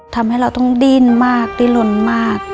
ทำให้เราต้องดิ้นมากดิ้นลนมาก